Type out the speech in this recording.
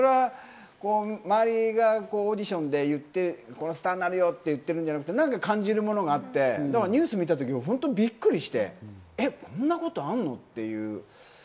周りがオーディションでスターになるよって言ってるんじゃなくて、何か感じるものがあって、ニュース見たとき本当びっくりして、こんなことあるの？っていう。